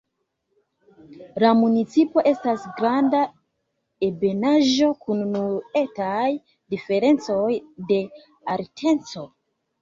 La municipo estas granda ebenaĵo kun nur etaj diferencoj de alteco.